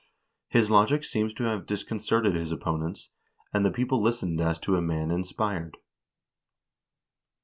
His logic seems to have dis concerted his opponents, and the people listened as to a man inspired.